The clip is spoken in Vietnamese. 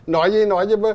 nói gì nói gì